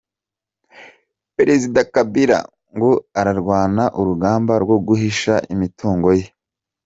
Perezida Kabila ngo ararwana urugamba rwo guhisha imitungo ye